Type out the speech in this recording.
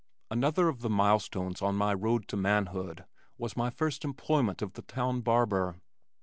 Another of the milestones on my road to manhood was my first employment of the town barber.